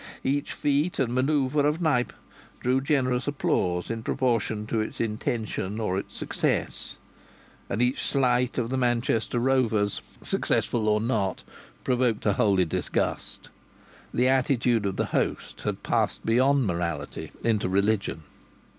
Each feat and manoeuvre of Knype drew generous applause in proportion to its intention or its success, and each sleight of the Manchester Rovers, successful or not, provoked a holy disgust. The attitude of the host had passed beyond morality into religion.